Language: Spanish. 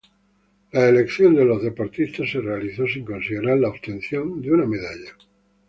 La elección de los deportistas se realizó sin considerar la obtención de una medalla.